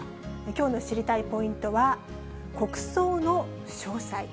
きょうの知りたいポイントは、国葬の詳細。